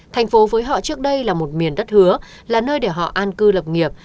thành phố với họ trước đây là một miền đất hứa là nơi để họ an cư lập nghiệp